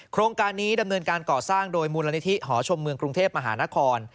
โครงการนี้ดำเนินการก่อสร้างโดยมูลนิธิหอชมเมืองกรุงเทพมหานคร